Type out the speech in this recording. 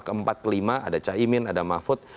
keempat kelima ada caimin ada mahfud